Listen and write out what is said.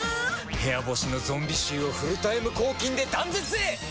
部屋干しのゾンビ臭をフルタイム抗菌で断絶へ！